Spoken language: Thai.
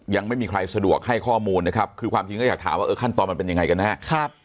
ยังไม่มีใครสะดวกให้ข้อมูลนะครับคือความจริงก็อยากถามว่าเออขั้นตอนมันเป็นยังไงกันแน่